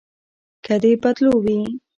که د بدلو وي.